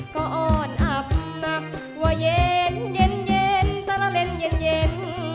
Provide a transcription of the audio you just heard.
ก็อ้อนอับมักว่าเย็นเย็นเย็นตระเล็นเย็นเย็น